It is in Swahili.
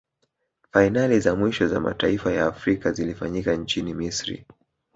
fainali za mwisho za mataifa ya afrika zilifanyika nchini misri